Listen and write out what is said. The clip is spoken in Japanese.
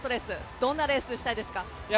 どんなレースにしたいですか？